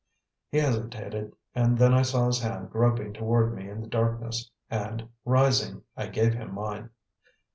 He hesitated, and then I saw his hand groping toward me in the darkness, and, rising, I gave him mine.